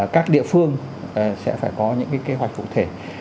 các địa phương sẽ phải có những kế hoạch cụ thể